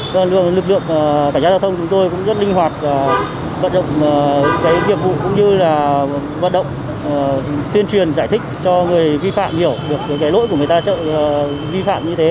cảnh giác giao thông chúng tôi cũng rất linh hoạt vận động cái nhiệm vụ cũng như là vận động tuyên truyền giải thích cho người vi phạm hiểu được cái lỗi của người ta vi phạm như thế